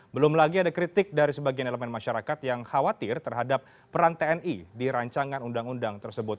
belum lagi ada kritik dari sebagian elemen masyarakat yang khawatir terhadap peran tni di rancangan undang undang tersebut